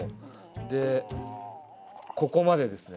でここまでですね。